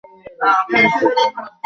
এই শিপ কোনও লোহার ডাব্বা না।